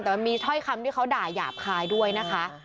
แต่มันมีถ้อยคำที่เขาด่าหยาบคายด้วยนะคะ